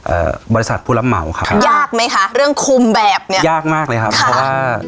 เอ่อบริษัทผู้รับเหมาครับยากไหมคะเรื่องคุมแบบเนี้ยยากมากเลยครับเพราะว่า